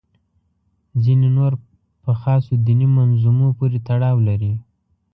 ځینې نور په خاصو دیني منظومو پورې تړاو لري.